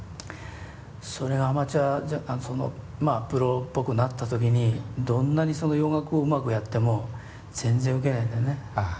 それがプロっぽくなった時にどんなにその洋楽をうまくやっても全然ウケないんだよね。